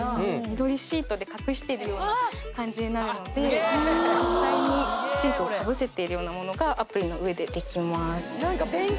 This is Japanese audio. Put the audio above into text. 緑シートで隠してるような感じになるので実際にシートをかぶせているようなものがアプリの上でできます